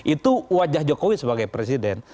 itu wajah jokowi sebagai presiden